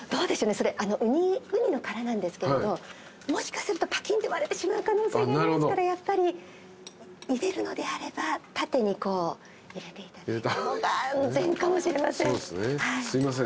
それウニの殻なんですけれどもしかするとパキンって割れてしまう可能性がありますからやっぱり入れるのであれば縦に入れていただいた方が安全かもしれません。